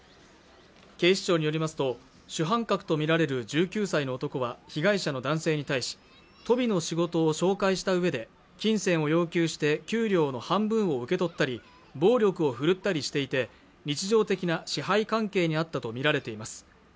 警視庁によりますと主犯格とみられる１９歳の男は被害者の男性に対し鳶の仕事を紹介したうえで金銭を要求して給料の半分を受け取ったり暴力を振るったりしていて日常的な支配関係にあったと見られています